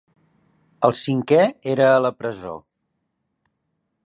El cinquè era a la presó.